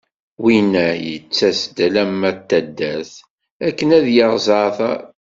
Winna yettas-d alamma d taddart akken ad yaɣ zzeɛter.